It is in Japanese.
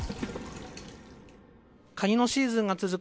カニのシーズンが続く